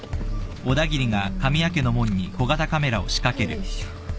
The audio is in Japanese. よいしょ。